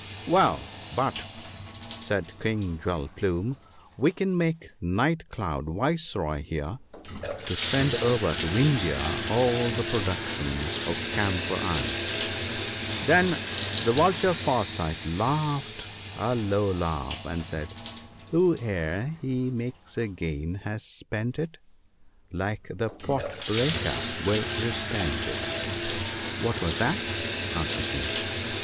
"Well, but," said King Jewel plume, "we can make Night cloud viceroy here, to send over to Vindhya all the productions of Camphor isle !"' Then the Vulture Far sight laughed a low laugh and said, —" Who, ere he makes a gain has spent it, Like the Pot breaker ( l0 °) will repent it." "What was that?" asked the King.